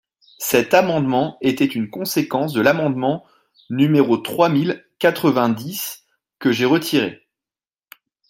Cet amendement était une conséquence de l’amendement numéro trois mille quatre-vingt-dix, que j’ai retiré.